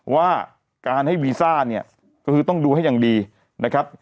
ว่าการให้วีซ่าเนี่ยก็คือต้องดูให้อย่างดีนะครับ